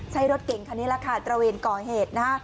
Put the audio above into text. รถเก่งคันนี้แหละค่ะตระเวนก่อเหตุนะฮะ